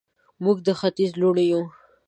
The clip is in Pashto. موږ د ختیځ لوڼې یو